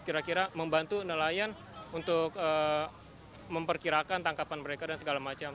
kira kira membantu nelayan untuk memperkirakan tangkapan mereka dan segala macam